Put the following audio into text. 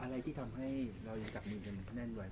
อะไรที่ทำให้เรายังจับมือกันแน่นไว้